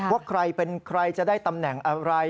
ว่าใครเป็นใครจะได้ตำแหน่งอะไร